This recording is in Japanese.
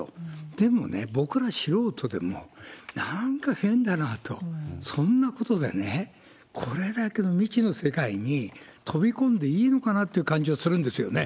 でもね、僕ら素人でも、なんか変だなと、そんなことでね、これだけの未知の世界に飛び込んでいいのかなっていう感じはするんですよね。